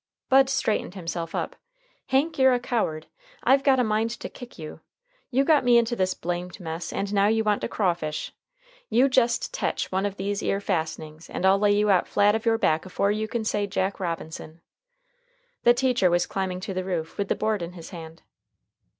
Bud straightened himself up. "Hank, you're a coward. I've got a mind to kick you. You got me into this blamed mess, and now you want to craw fish. You jest tech one of these 'ere fastenings, and I'll lay you out flat of your back afore you can say Jack Robinson." The teacher was climbing to the roof with the board in hand.